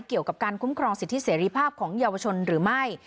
เกี่ยวกับการคุ้มครองสิทธิเสรีภาพของเยาวชนหรือไม่